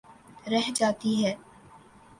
رہ جاتی ہے۔